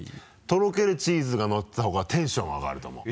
とろけるチーズがのってた方がテンション上がると思う。